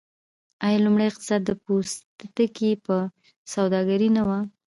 آیا لومړنی اقتصاد د پوستکي په سوداګرۍ نه و؟